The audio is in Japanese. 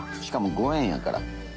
しかも御塩やから。